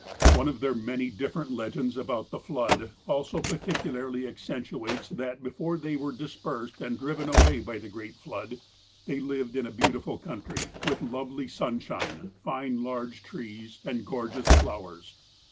One of their many different legends about the " flood " also particularly accentuates that before they were dispersed and driven away by the great flood, they lived in a beautiful country, with lovely sunshine, fine large trees, and gorgeous flowers.